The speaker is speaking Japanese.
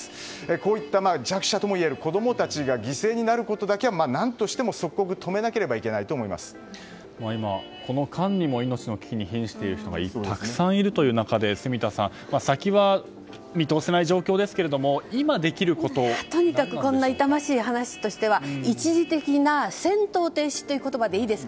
こういった弱者ともいえる子供たちが犠牲になることだけは何としても即刻に今、この間にも命の危機に瀕している子供たちがたくさんいるという中で住田さん先は見通せない状況ですがとにかくこんな痛ましい話としては一時的な戦闘停止という言葉でいいです。